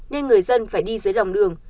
nên người dân phải đi dưới đồng đường